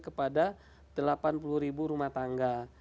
kepada delapan puluh ribu rumah tangga